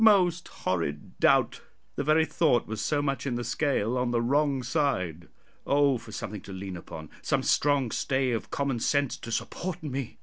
Most horrid doubt! the very thought was so much in the scale on the wrong side. Oh for something to lean upon some strong stay of common sense to support me!